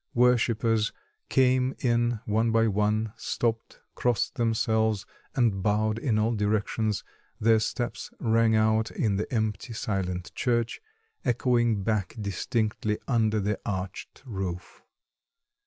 Worshippers came in one by one, stopped, crossed themselves, and bowed in all directions; their steps rang out in the empty, silent church, echoing back distinctly under the arched roof.